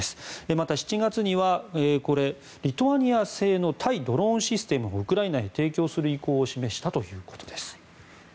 また、７月にはリトアニア製の対ドローンシステムをウクライナへ提供する意向を示したということです。